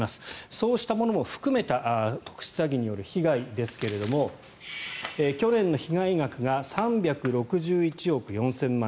そうしたものも含めた特殊詐欺による被害ですが去年の被害額が３６１億４０００万